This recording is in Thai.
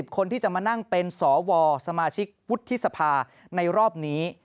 คนที่จะมานั่งเป็นสวสมาชิกวุฒิสภาในรอบนี้